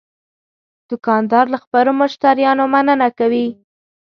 دوکاندار له خپلو مشتریانو مننه کوي.